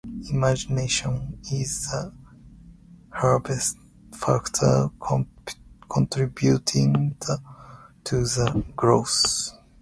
Immigration is the heaviest factor contributing to this growth.